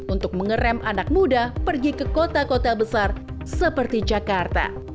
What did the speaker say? untuk mengerem anak muda pergi ke kota kota besar seperti jakarta